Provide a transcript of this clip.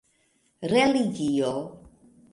religio